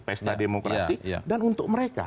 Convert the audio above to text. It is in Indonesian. pesta demokrasi dan untuk mereka